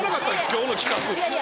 今日の企画。